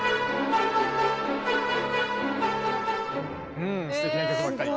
うんすてきな曲ばっかり。